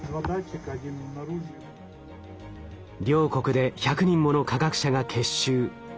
両国で１００人もの科学者が結集。